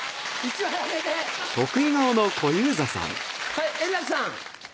はい円楽さん。